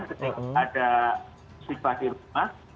ketika ada sifah di rumah